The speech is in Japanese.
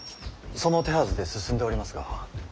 その手はずで進んでおりますが。